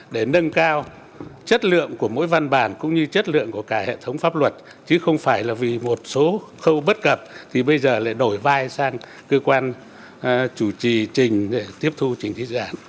để nâng cao chất lượng của mỗi văn bản cũng như chất lượng của cả hệ thống pháp luật chứ không phải là vì một số khâu bất cập thì bây giờ lại đổi vai sang cơ quan chủ trì trình để tiếp thu trình thí dự án